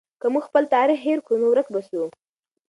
که موږ خپل تاریخ هېر کړو نو ورک به سو.